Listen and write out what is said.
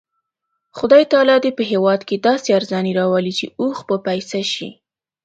خدای تعالی دې په هېواد کې داسې ارزاني راولي چې اوښ په پیسه شي.